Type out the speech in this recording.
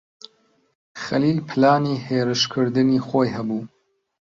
خەلیل پلانی هێرشکردنی خۆی هەبوو.